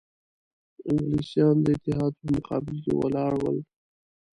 انګلیسیان د اتحاد په مقابل کې ولاړ ول.